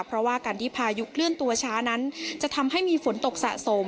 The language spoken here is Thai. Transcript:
เพราะว่าการที่พายุเคลื่อนตัวช้านั้นจะทำให้มีฝนตกสะสม